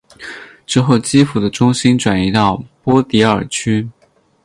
之后基辅的中心转移到波迪尔区。